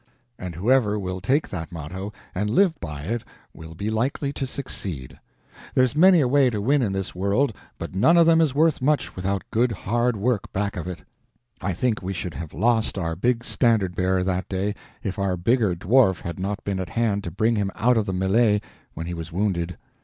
And whoever will take that motto and live by it will likely to succeed. There's many a way to win in this world, but none of them is worth much without good hard work back out of it. I think we should have lost our big Standard Bearer that day, if our bigger Dwarf had not been at hand to bring him out of the melee when he was wounded.